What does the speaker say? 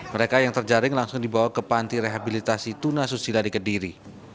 mereka yang terjaring langsung dibawa ke panti rehabilitasi tuna susila di kediri